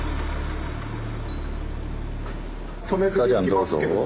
どうぞ。